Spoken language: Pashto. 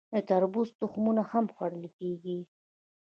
د تربوز تخمونه هم خوړل کیږي.